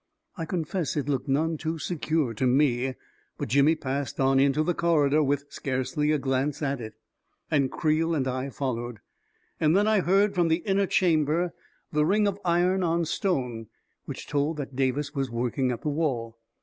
I confess it looked none too secure to me; but Jimmy passed on into the corridor with scarcely a glance at it, and Creel and I followed. And then I heard, from the inner chamber, the ring A KING IN BABYLON 343 of iron on stone which told that Davis was working at the wall.